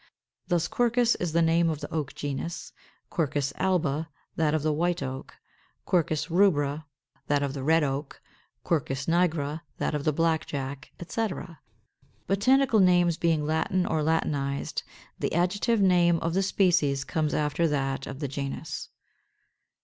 Thus Quercus is the name of the Oak genus; Quercus alba, that of the White Oak, Q. rubra, that of Red Oak, Q. nigra, that of the Black Jack, etc. Botanical names being Latin or Latinized, the adjective name of the species comes after that of the genus.